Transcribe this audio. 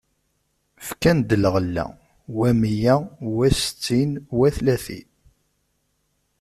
Fkan-d lɣella: wa meyya, wa settin, wa tlatin.